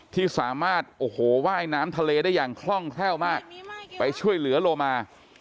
ที่สามารถโอ้โหว่ายน้ำทะเลได้อย่างคล่องแคล่วมากไปช่วยเหลือโลมา